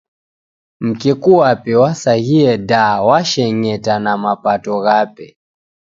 Mkeku wape wasaghie da washeng’eta na mapato ghape!